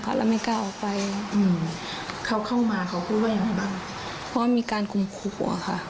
เพราะว่ามีการกุมคู่หัวค่ะ